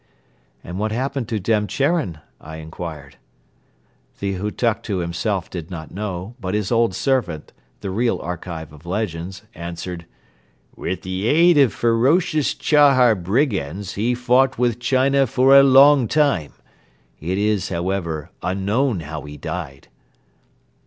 "And what happened to Damcharen?" I inquired. The Hutuktu himself did not know; but his old servant, the real archive of legends, answered: "With the aid of ferocious Chahar brigands he fought with China for a long time. It is, however, unknown how he died."